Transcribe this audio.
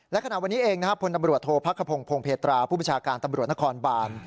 และขณะวันนี้เองนะครับพลตำรวจโทษพักขพงศพงเพตราผู้ประชาการตำรวจนครบาน